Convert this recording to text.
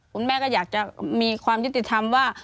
คุณแม่ก็อยากจะมีความยุติธรรมว่า